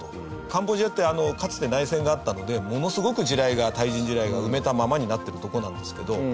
カンボジアってかつて内戦があったのでものすごく地雷が対人地雷が埋めたままになってるとこなんですけど。